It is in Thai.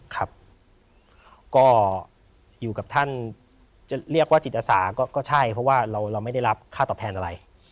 ครับก็อยู่กับท่านจะเรียกว่าจิตอาสาก็ใช่เพราะว่าเราไม่ได้รับค่าตอบแทนอะไร